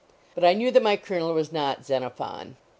But I knew that my Colonel was not Xenophon.